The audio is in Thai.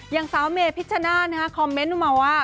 อย่างสาวเมพิชชนาธิ์คอมเมนต์มาว่า